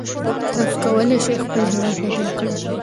تاسو کولای شئ خپل هېواد بدل کړئ.